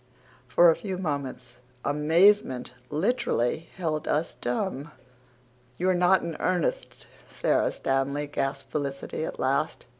For a few moments amazement literally held us dumb. "You're not in earnest, Sara Stanley?" gasped Felicity at last.